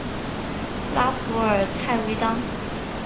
拉弗尔泰维当。